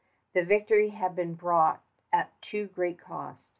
The victory had been bought at too great cost.